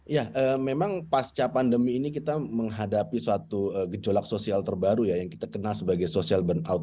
ya memang pasca pandemi ini kita menghadapi suatu gejolak sosial terbaru ya yang kita kenal sebagai social burnout